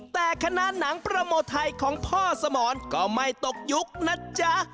แต่คณะหนังโปรโมทัยของพ่อสมรก็ไม่ตกยุคนะจ๊ะ